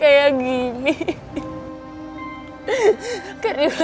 malah gue selalu marah